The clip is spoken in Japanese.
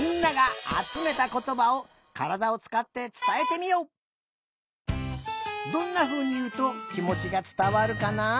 みんながどんなふうにいうときもちがつたわるかな？